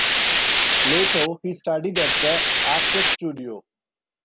Later he studied at the Actors Studio.